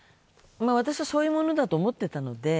私は、そういうものだと思ってたので。